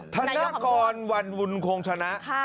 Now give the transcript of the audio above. ธนากรวรรณวุณคงชนะ